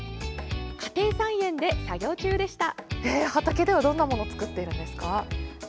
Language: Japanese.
家庭菜園で作業中でした。